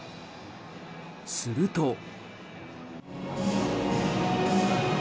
すると。